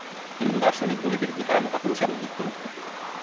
হিন্দু দার্শনিক বলিবেন ইঁহারা মহাপুরুষ এবং নিত্যমুক্ত।